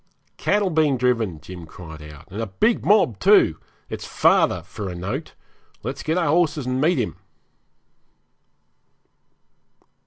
'Cattle being driven,' Jim cried out; 'and a big mob too. It's father for a note. Let's get our horses and meet him.'